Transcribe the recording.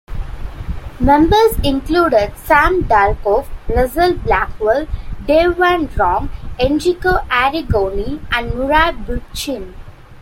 Members included Sam Dolgoff, Russell Blackwell, Dave Van Ronk, Enrico Arrigoni and Murray Bookchin.